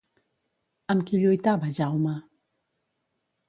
Amb qui lluitava Jaume?